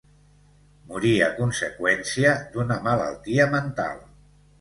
Morí a conseqüència d'una malaltia mental.